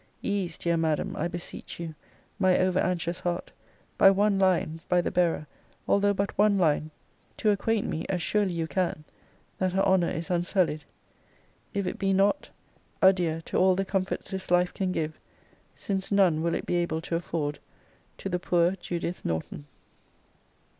Ease, dear Madam, I beseech you, my over anxious heart, by one line, by the bearer, although but one line, to acquaint me (as surely you can) that her honour is unsullied. If it be not, adieu to all the comforts this life can give: since none will it be able to afford To the poor JUDITH NORTON.